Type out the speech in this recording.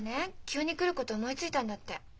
急に来ること思いついたんだって。